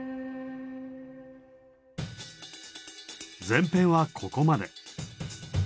前編はここまで。